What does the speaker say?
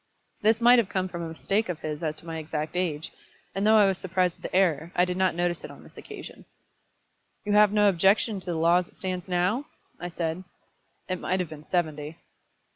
This might have come from a mistake of his as to my exact age; and though I was surprised at the error, I did not notice it on this occasion. "You have no objection to the law as it stands now?" I said. "It might have been seventy."